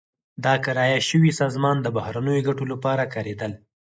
دا کرایه شوې سازمان د بهرنیو ګټو لپاره کارېدل.